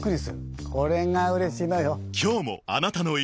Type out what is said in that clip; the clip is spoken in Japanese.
これがうれしいのよ。